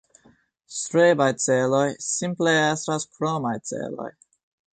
Strebaj celoj simple estas kromaj celoj